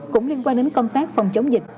cũng liên quan đến công tác phòng chống dịch